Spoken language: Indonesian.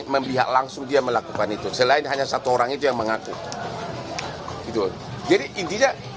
membiak langsung dia melakukan itu selain hanya satu orang itu yang mengaku itu jadi intinya